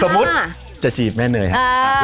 สมมุติจะจีบแม่เนยครับ